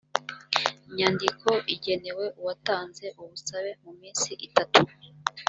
nyandiko igenewe uwatanze ubusabe mu minsi itatu